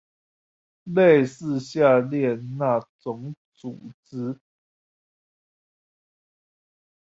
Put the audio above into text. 類似下列那種組織？